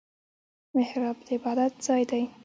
محراب د عبادت ځای دی